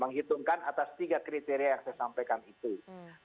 menghitungkan atas tiga kriteria yang saya sampaikan itu